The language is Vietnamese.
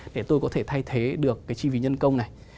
để tôi có thể thay thế được cái chi phí nhân công này